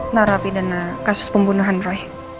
narapidana kasus pembunuhan roy